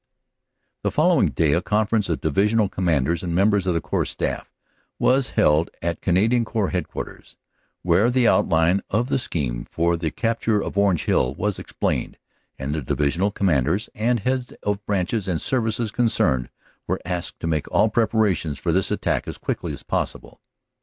.. "The following day a conference of Divisional Com manders and members of the Corps Staff was held at Canadian Corps Headquarters, where the outline of the scheme for the capture of Orange Hill was explained, and the Divisional Commanders and heads of branches and services concerned were asked to make all preparations for this attack as quickly as possible.